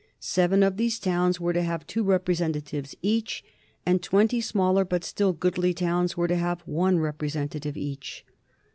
Seven of these towns were to have two representatives each, and twenty smaller but still goodly towns were to have one representative each.